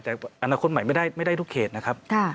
แต่อนาคตใหม่ไม่ได้ทุกเขตนะครับ